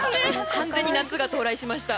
完全に夏が到来しました。